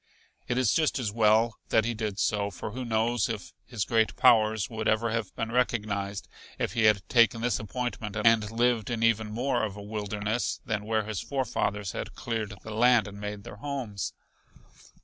It is just as well that he did so, for who knows if his great powers would ever have been recognized if he had taken this appointment and lived in even more of a wilderness than where his forefathers had cleared the land and made their homes?